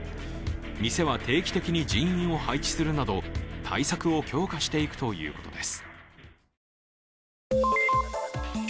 店は定期的に人員を配置するなど対策を強化していくということです。